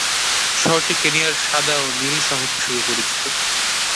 শহরটি কেনিয়ার সাদা ও নীল শহর হিসেবে পরিচিত।